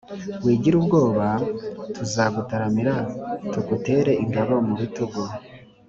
wigira ubwoba tuzagutaramira tugutere ingabo mu bitugu.